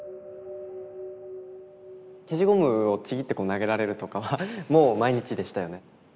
消しゴムをちぎって投げられるとかはもう毎日でしたよね。